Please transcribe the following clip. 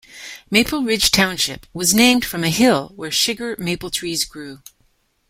Maple Ridge Township was named from a hill where sugar maple trees grew.